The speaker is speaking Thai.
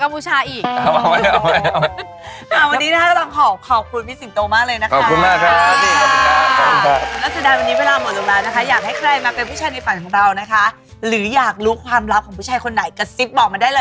เค้าไม่นิยมเค้าไม่นิยมเค้าไม่พูดกันมันมีสนุกสนานมาก